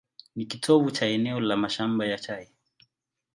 Ni kitovu cha eneo la mashamba ya chai.